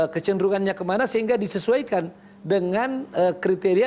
kecenderungannya kemana sehingga disesuaikan dengan kriteria